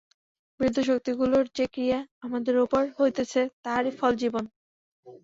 বিরুদ্ধ শক্তিগুলির যে ক্রিয়া আমাদের উপর হইতেছে, তাহারই ফল জীবন।